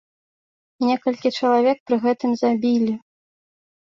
Некалькі чалавек пры гэтым забілі.